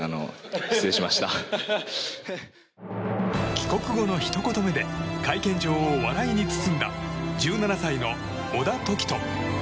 帰国後のひと言目で会見場を笑いに包んだ１７歳の小田凱人。